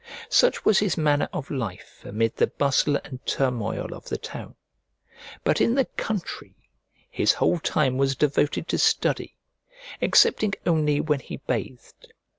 Such was his manner of life amid the bustle and turmoil of the town: but in the country his whole time was devoted to study, excepting only when he bathed.